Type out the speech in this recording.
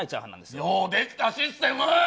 よう出来たシステム。